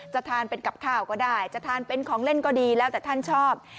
จะทานเป็นกับข้าวก็ได้จะทานเป็นของเล่นก็ดีแล้วแต่ท่านชอบ